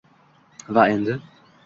Va endi